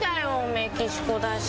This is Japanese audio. メキシコだし。